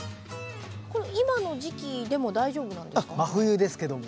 今の時期でも大丈夫なんですか？